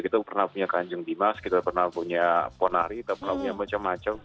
kita pernah punya kanjeng dimas kita pernah punya ponari kita pernah punya macam macam